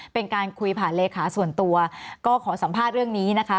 เป็นการคุยผ่านเลขาส่วนตัวก็ขอสัมภาษณ์เรื่องนี้นะคะ